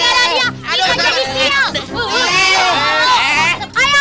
yang namanya pak wahyu ini